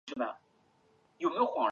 它们一般的重量为。